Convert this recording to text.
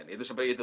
itu seperti itu